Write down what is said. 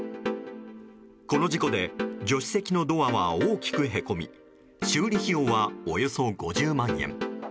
この事故で助手席のドアは大きくへこみ修理費用は、およそ５０万円。